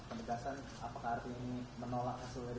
penegasan apakah artinya menolak hasil dari kpu